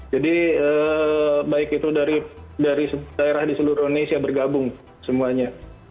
jadi baik itu dari daerah di seluruh indonesia bergabung semuanya